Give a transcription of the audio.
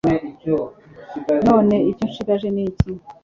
«None icyo nshigaje ni iki ?»